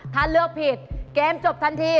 ถ้าเลือกผิดเกมจบทันที